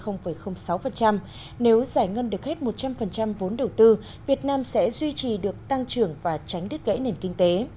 nếu giải ngân được hết một trăm linh vốn đầu tư việt nam sẽ duy trì được tăng trưởng và tránh đứt gãy nền kinh tế